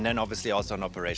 dan kemudian jelas juga di operasi